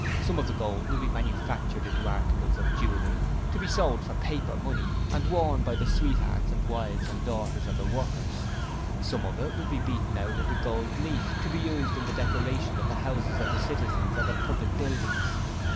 Some of the gold will be manufactured into articles of jewellery, to be sold for paper money and worn by the sweethearts and wives and daughters of the workers; some of it will be beaten out into gold leaf to be used in the decoration of the houses of the citizens and of public buildings.